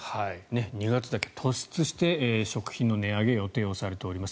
２月だけ突出して食品の値上げが予定されています。